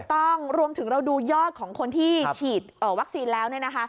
ต้องรวมถึงเราดูยอดของคนที่ฉีดวัคซีนแล้ว